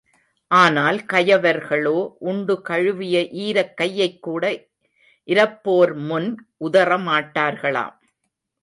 ஆனால் கயவர்களோ உண்டு கழுவிய ஈரக் கையைக்கூட இரப்போர்முன் உதறமாட்களாம்.